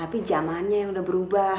tapi zamannya yang udah berubah